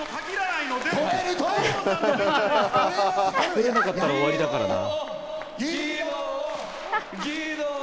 取れなかったら終わりだからな。